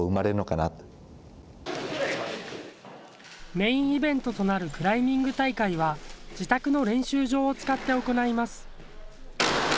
メインイベントとなるクライミング大会は自宅の練習場を使って行います。